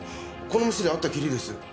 この店で会ったきりです。